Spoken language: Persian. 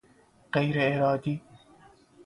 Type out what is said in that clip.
غیرارادی